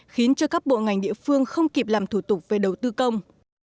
khiến cho các bộ ngành địa phương không kịp làm thủ tục về đầu tư công